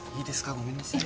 ごめんなさい。